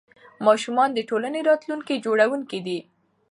ماشومان د ټولنې راتلونکي جوړونکي دي.